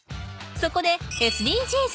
そこでＳＤＧｓ。